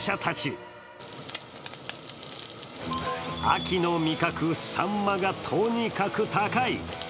秋の味覚サンマがとにかく高い。